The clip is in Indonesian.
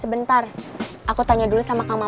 sebentar aku tanya dulu sama kang maman